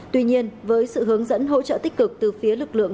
tuy nhiên với sự hướng dẫn hỗ trợ tích cực từ phía lực lượng